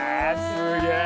すげえ！